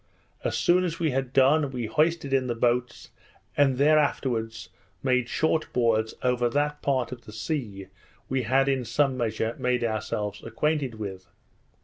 As soon as we had done, we hoisted in the boats, and afterwards made short boards over that part of the sea we had in some measure made ourselves acquainted with.